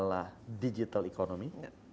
yang ketiga digital economy